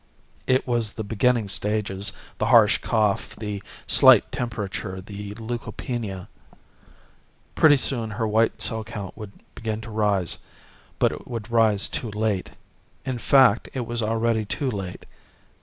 It was the beginning stages, the harsh cough, the slight temperature, the leukopenia. Pretty soon her white cell count would begin to rise, but it would rise too late. In fact, it was already too late.